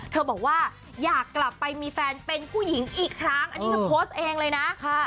บอกว่าอยากกลับไปมีแฟนเป็นผู้หญิงอีกครั้งอันนี้เธอโพสต์เองเลยนะ